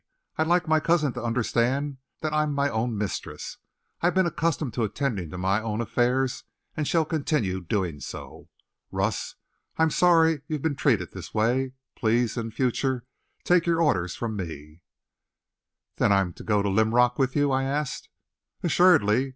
I'd like my cousin to understand that I'm my own mistress. I've been accustomed to attending to my own affairs and shall continue doing so. Russ, I'm sorry you've been treated this way. Please, in future, take your orders from me." "Then I'm to go to Linrock with you?" I asked. "Assuredly.